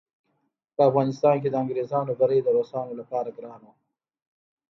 په افغانستان کې د انګریزانو بری د روسانو لپاره ګران وو.